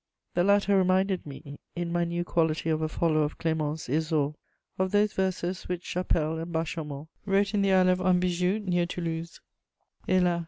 The latter reminded me, in my new quality of a follower of Clémence Isaure, of those verses which Chapelle and Bachaumont wrote in the isle of Ambijoux, near Toulouse: Hélas!